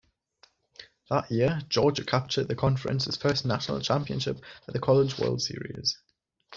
That year, Georgia captured the conference's first national championship at the College World Series.